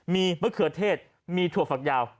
มีมะเขือเทศมีถั่วฝักยาว